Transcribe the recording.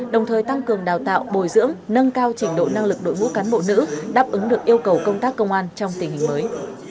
đồng thời tăng cường đào tạo bồi dưỡng nâng cao trình độ năng lực đội ngũ cán bộ nữ đáp ứng được yêu cầu công tác công an trong tình hình mới